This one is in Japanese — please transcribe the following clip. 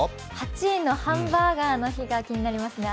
８位のハンバーガーの日が気になりますね。